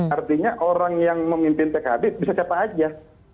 artinya orang yang memimpin pkb bisa siapa saja